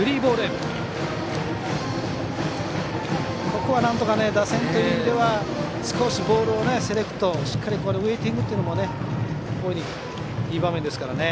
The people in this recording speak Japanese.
ここはなんとか打線としては少しボールをセレクトしてウエイティングというのもいい場面ですからね。